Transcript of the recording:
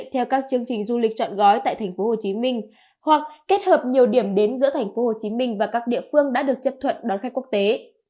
theo các chương trình du lịch trọn gói tại thành phố hồ chí minh hoặc kết hợp nhiều điểm đến giữa thành phố hồ chí minh và các địa phương đã được chấp thuận đón khách quốc tế